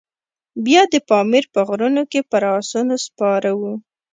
بیا د پامیر په غرونو کې پر آسونو سپاره وو.